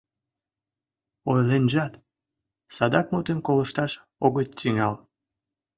Ойленжат, садак мутым колышташ огыт тӱҥал.